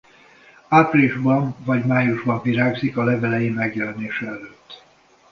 Áprilisban vagy májusban virágzik a levelei megjelenése előtt.